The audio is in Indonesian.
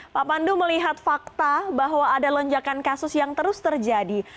pak pandu melihat fakta bahwa ada lonjakan kasus yang terus terjadi